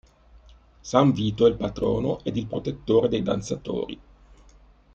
San Vito è il patrono ed il protettore dei danzatori.